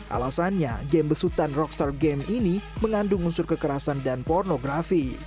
alasannya game besutan rockstar game ini mengandung unsur kekerasan dan pornografi